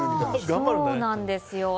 そうなんですよ。